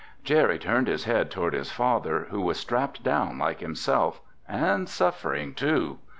Jerry turned his head toward his father, who was strapped down like himself, and suffering too.